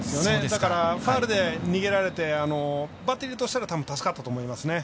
だから、ファウルで逃げられてバッテリーとしてはたぶん、助かったと思いますね。